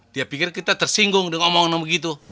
dia pikir kita tersinggung dengan omong omong begitu